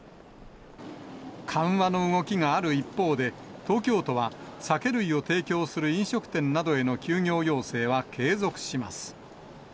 緩和の動きがある一方で、東京都は酒類を提供する飲食店などへの休業要請は継続します。